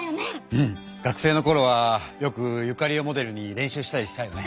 うん！学生のころはよくユカリをモデルに練習したりしたよね。